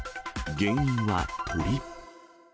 原因は鳥。